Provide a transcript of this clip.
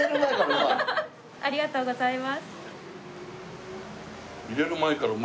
ありがとうございます。